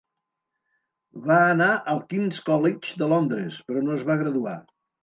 Va anar al King's College de Londres però no es va graduar.